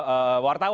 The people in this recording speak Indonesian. jadi ini juga terjadi